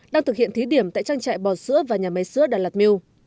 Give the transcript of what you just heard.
đang thực hiện thí điểm tại trang trại bò sữa và nhà máy sữa đà lạt meal